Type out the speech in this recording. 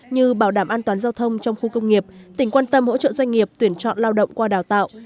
như bảo đảm an toàn giao thông trong khu công nghiệp tỉnh quan tâm hỗ trợ doanh nghiệp tuyển chọn lao động qua đào tạo